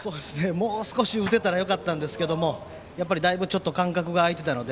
もう少し打てたらよかったんですがだいぶ間隔が空いてたので。